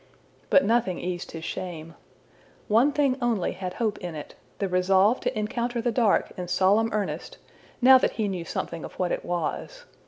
But nothing eased his shame. One thing only had hope in it the resolve to encounter the dark in solemn earnest, now that he knew something of what it was.